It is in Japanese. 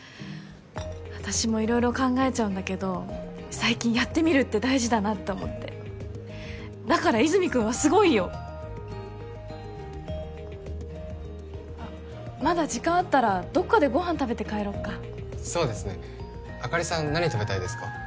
私も色々考えちゃうんだけど最近やってみるって大事だなと思ってだから和泉君はすごいよあっまだ時間あったらどっかでご飯食べて帰ろっかそうですねあかりさん何食べたいですか？